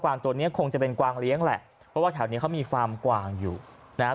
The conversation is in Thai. ตัวเนี้ยคงจะเป็นกวางเลี้ยงแหละเพราะว่าแถวนี้เขามีฟาร์มกวางอยู่นะฮะ